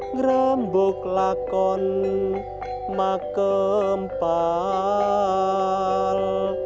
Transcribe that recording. ngerambuk lakon makempal